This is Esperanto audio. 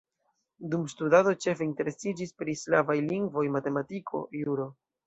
Dum studado ĉefe interesiĝis pri slavaj lingvoj, matematiko, juro.